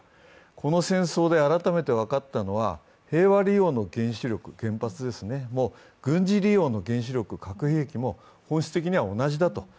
この戦争で改めて分かったのは平和利用の原子力、原発ですね、軍事利用の原子力、核兵器も本質的には同じだと。